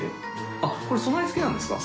あっこれ備え付けなんですか？